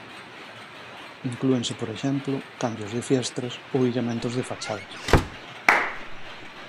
Inclúense por exemplo, cambios de fiestras ou illamentos de fachadas.